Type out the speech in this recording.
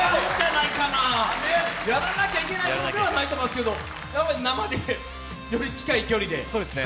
やらなきゃいけないことではないと思うけどやっぱり生で、より近い距離で？